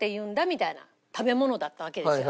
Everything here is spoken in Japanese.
みたいな食べ物だったわけですよ